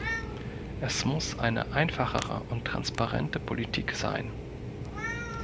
Es muss eine einfachere und transparente Politik sein.